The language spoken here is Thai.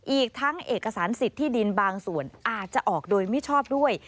อีกทั้งเอกสารสิทธิ์ที่ดินบางส่วนอาจจะออกโดยไม่ชอบด้วย